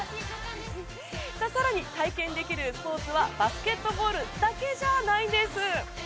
更に、体験できるスポーツはバスケットボールだけじゃないんです。